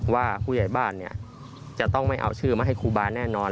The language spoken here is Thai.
ว่าผู้ใหญ่บ้านจะต้องไม่เอาชื่อมาให้ครูบาแน่นอน